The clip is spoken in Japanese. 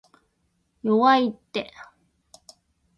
弱いって